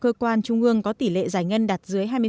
cơ quan trung ương có tỷ lệ giải ngân đạt dưới hai mươi